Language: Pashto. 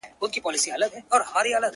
سل غلامه په خدمت کي سل مینځیاني!